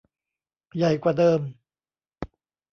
ใหญ่กว่าเดิม